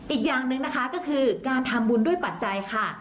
อีกอย่างหนึ่งนะคะก็คือการทำบุญด้วยปัจจัยค่ะ